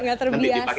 nanti dipakai lagi